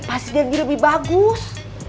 pasti jadi lebih bagus